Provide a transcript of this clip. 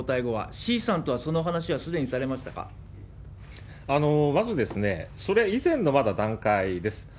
志位さんとはその話はすでにされまず、それ以前のまだ段階です。